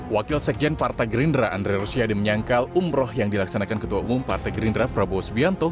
wakil sekjen partai gerindra andre rosiade menyangkal umroh yang dilaksanakan ketua umum partai gerindra prabowo subianto